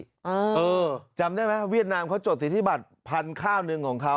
เออจำได้ไหมเวียดนามเขาจดสิทธิบัตรพันธุ์ข้าวหนึ่งของเขา